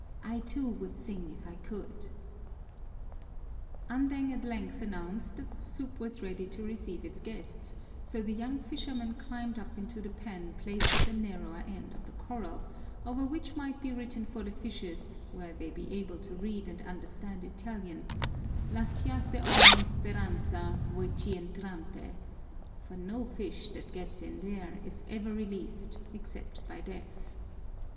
I, too, would sing if I could!" Andeng at length announced that the soup was ready to receive its guests, so the young fisherman climbed up into the pen placed at the narrower end of the corral, over which might be written for the fishes, were they able to read and understand Italian, "Lasciate ogni speranza voi ch' entrante," for no fish that gets in there is ever released except by death.